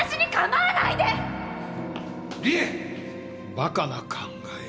バカな考え。